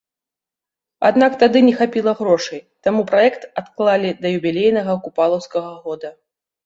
Аднак тады не хапіла грошай, таму праект адклалі да юбілейнага купалаўскага года.